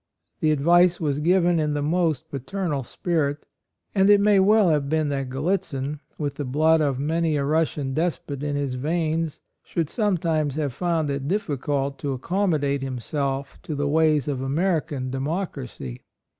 The advice was given in the most paternal spirit; and it may well have been that Gallitzin, with the blood of many a Russian despot in his veins, should sometimes have found it difficult to ac commodate himself to the ways of American democracy.